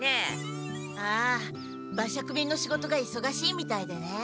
ああ馬借便の仕事がいそがしいみたいでね。